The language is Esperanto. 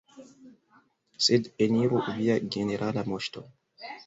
Sed, eniru, Via Generala Moŝto!